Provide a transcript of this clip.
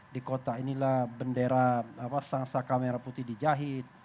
di kota inilah bendera sangsa kamera putih dijahit